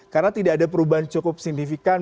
karena tidak ada perubahan cukup signifikan